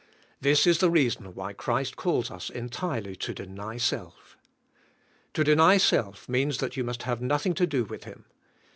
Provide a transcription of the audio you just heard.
This is the reason why Christ calls us entirely to deny self. To deny self means that you must have nothing to do with him.